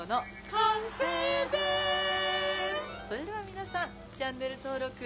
完成ですそれでは皆さんチャンネル登録。